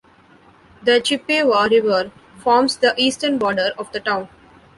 The Chippewa River forms the eastern border of the town.